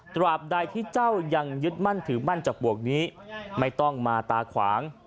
ตราบใดที่เจ้ายังยึดมั่นถือมั่นจากบวกนี้ไม่ต้องมาตาขวาง